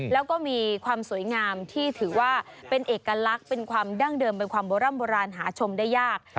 แล้วก็มีความสวยงามที่ถือว่าเป็นเอกลักษณ์เป็นความดั้งเดิมเป็นความโบร่ำโบราณหาชมได้ยาก